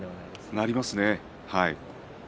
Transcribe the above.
なりますね。